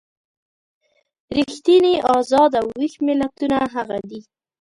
ریښتیني ازاد او ویښ ملتونه هغه دي.